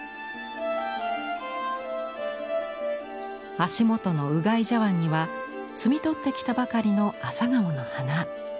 足元のうがい茶わんには摘み取ってきたばかりの朝顔の花。